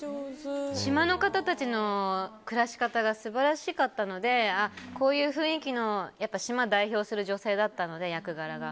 島の方たちの暮らし方が素晴らしかったのでこういう雰囲気の島代表の女性だったので、役柄が。